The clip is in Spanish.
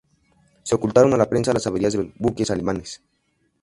Se ocultaron a la prensa las averías de los buques alemanes.